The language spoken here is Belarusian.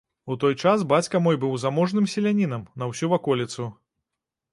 У той час бацька мой быў заможным селянінам на ўсю ваколіцу.